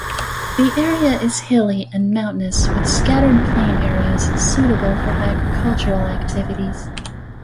The area is hilly and mountainous with scattered plain areas suitable for agricultural activities.